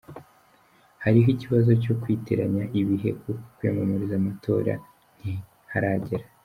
"Hariho ikibazo co kwitiranya ibihe kuko kwiyamamariza amatora ntiharagera.